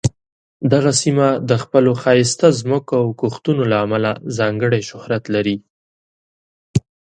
دغه سیمه د خپلو ښایسته ځمکو او کښتونو له امله ځانګړې شهرت لري.